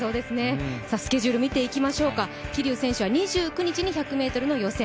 スケジュール見ていきましょうか桐生選手は、２９日に１００ｍの予選。